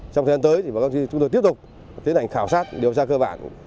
trong thời gian tới chúng tôi tiếp tục tiến hành khảo sát điều tra cơ bản